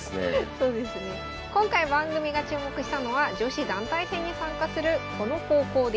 今回番組が注目したのは女子団体戦に参加するこの高校です。